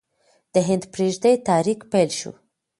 د هند پریږدئ تحریک پیل شو.